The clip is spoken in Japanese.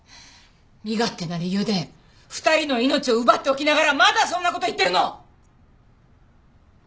身勝手な理由で２人の命を奪っておきながらまだそんな事言ってるの！？